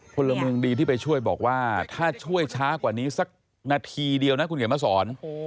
พลเมืองดีที่ไปช่วยบอกว่าถ้าช่วยช้ากว่านี้สักนาทีเดียวนะคุณเขียนมาสอน